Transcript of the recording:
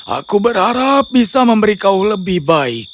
aku berharap bisa memberi kau lebih baik